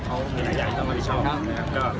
เขาและก็ยันใหญ่ต้องต่อดีชอบ